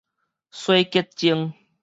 洗潔精